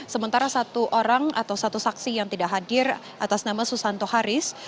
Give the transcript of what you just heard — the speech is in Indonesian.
sementara satu orang atau satu saksi yang tidak hadir atas nama susanto haris